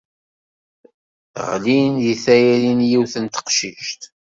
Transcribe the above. Ɣlin deg tayri n yiwet n teqcict.